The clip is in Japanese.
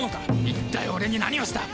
一体俺に何をした？